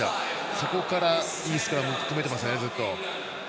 そこからいいスクラム組めてます、ずっと。